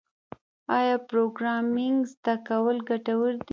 آیا پروګرامینګ زده کول ګټور دي؟